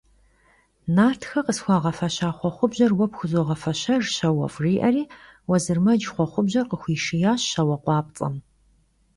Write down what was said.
Nartxe khısxuağefeşa xhuexhubjer vue pxuzoğefeşejj, şauef', – jjêri Vuezırmec xhuexhubjer khıxuişşiyaş şaue khuapts'em.